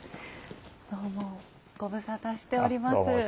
どうもご無沙汰しております。